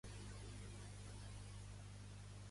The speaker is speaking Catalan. Dona zero estrelles a Unleashing Nepal